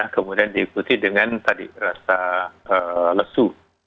kemudian diikuti dengan tadi rasa lesu